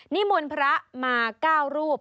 นิมวลพระมา๙รูป